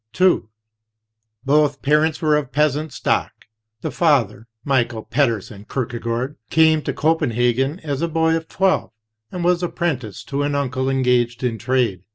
II Both parents were of peasant stock. The father, Michael Pedersen Kierkegaard, came to Copenhagen as a boy of twelve, and was apprenticed to an uncle engaged in trade.